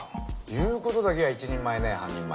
言うことだけは一人前ね半人前。